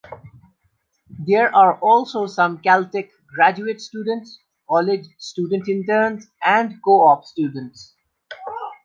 There are also some Caltech graduate students, college student interns and co-op students.